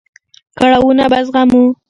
کړاوونه به زغمو.